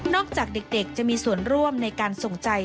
จากเด็กจะมีส่วนร่วมในการส่งใจ